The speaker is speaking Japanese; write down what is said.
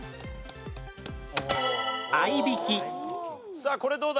さあこれどうだ？